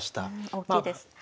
大きいです。